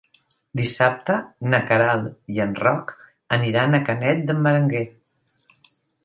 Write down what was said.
Dissabte na Queralt i en Roc aniran a Canet d'en Berenguer.